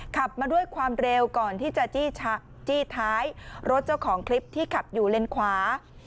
ขับมาด้วยความเร็วก่อนที่จะจี้ท้ายรถเจ้าของคลิปที่ขับอยู่เลนขวา